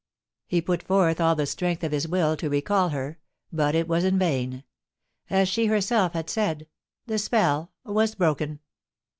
He put forth all the strength of his will to recall her, but it was in vain. As she herself had said, the spell was broken.